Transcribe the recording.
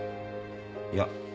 いや。